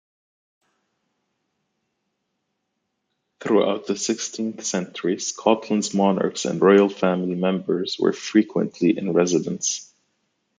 Throughout the sixteenth century, Scotland's monarchs and royal family members were frequently in residence.